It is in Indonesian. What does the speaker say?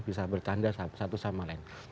bisa bercanda satu sama lain